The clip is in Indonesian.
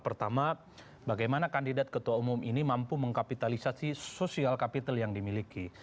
pertama bagaimana kandidat ketua umum ini mampu mengkapitalisasi social capital yang dimiliki